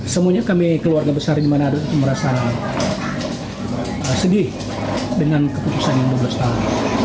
semuanya kami keluarga besar di mana ada itu merasa sedih dengan keputusan yang dua belas tahun